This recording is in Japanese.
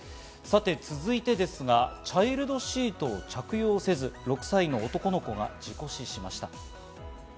続いてですが、チャイルドシートを着用せず、６歳の男の子が事故死しました。